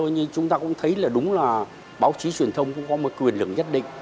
như chúng ta cũng thấy là đúng là báo chí truyền thông cũng có một quyền lượng nhất định